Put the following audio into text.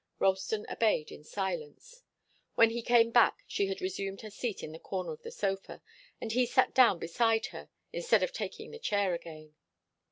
Ralston obeyed in silence. When he came back she had resumed her seat in the corner of the sofa, and he sat down beside her instead of taking the chair again.